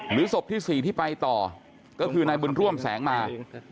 ศพที่๔ที่ไปต่อก็คือนายบุญร่วมแสงมา